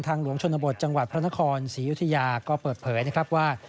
หลวงชนบทจังหวัดพระนครศรียุธยาก็เปิดเผยนะครับว่า